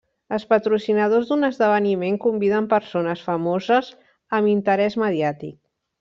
Els patrocinadors d'un esdeveniment conviden persones famoses amb interès mediàtic.